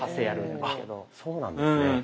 あっそうなんですね。